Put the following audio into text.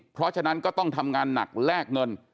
เพราะฉะนั้นก็ต้องทำงานหนักแลกเงิน